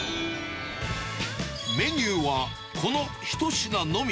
メニューは、この一品のみ。